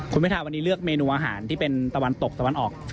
จนทั้งนี้ไม่ได้มีอะไรพิเศษมากใหม่